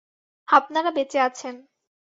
আপনারা বেঁচে আছেন।